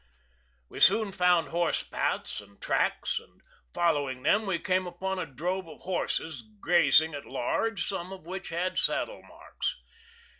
We soon found horse paths and tracks, and following them we came upon a drove of horses grazing at large, some of which had saddle marks.